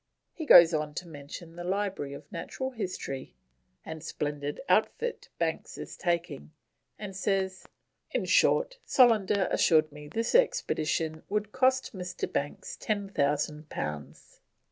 He goes on to mention the library of Natural History and splendid outfit Banks is taking, and says, "in short, Solander assured me this expedition would cost Mr. Banks 10,000 pounds."